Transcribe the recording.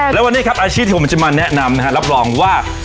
แล้ววันนี้ครับอาชีพที่ผมจะมาแนะนำนะฮะรับรองว่า